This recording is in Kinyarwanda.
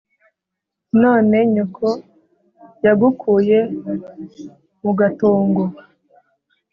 None nyoko yagukuye mu gatongo “.